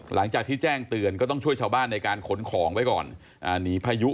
หลังจากที่แจ้งเตือนก็ต้องช่วยชาวบ้านในการขนของไว้ก่อนหนีพายุ